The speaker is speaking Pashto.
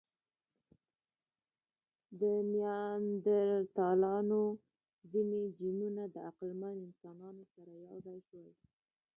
د نیاندرتالانو ځینې جینونه د عقلمن انسانانو سره یو ځای شول.